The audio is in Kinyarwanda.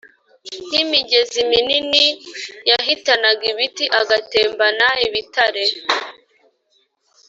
nk imigezi minini Yahitanaga ibiti agatembana ibitare